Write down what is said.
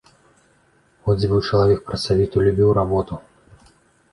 От дзе быў чалавек працавіты, любіў работу!